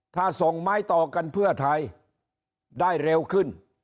ถ้าส่งไม้ต่อกันเพื่อไทยได้เร็วขึ้น